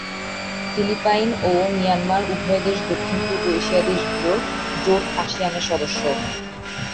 Philippine ও Myanmar উভয় দেশ দক্ষিণ পূর্ব এশীয় দেশগুলোর জোট আসিয়ানের সদস্য।